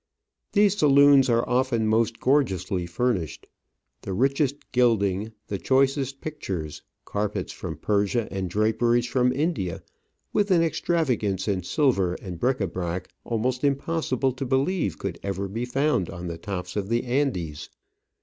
These saloons are often most gorgeously furnished : the richest gilding, the choicest pictures, carpets from Persia and draperies from India, with an extravagance in silver and brzc ^ brac almost impossible to believe could ever be found on the tops of the Andes.